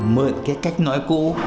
mượn cái cách nói cũ